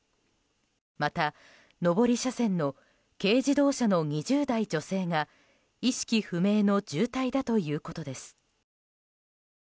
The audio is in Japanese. また、上り車線の軽自動車の２０代女性が意識不明の重体だということです。